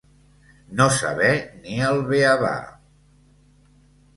No saber ni el beabà.